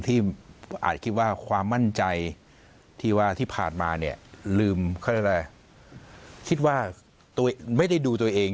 ที่อาจคิดว่าความมั่นใจที่ผ่านมาคิดว่าไม่ได้ดูตัวเอง